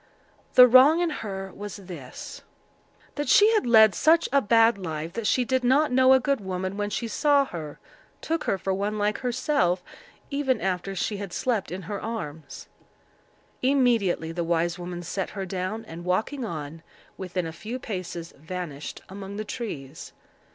The wrong in her was this—that she had led such a bad life, that she did not know a good woman when she saw her; took her for one like herself, even after she had slept in her arms. Immediately the wise woman set her down, and, walking on, within a few paces vanished among the trees.